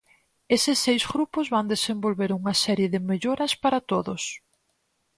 Eses seis grupos van desenvolver unha serie de melloras para todos.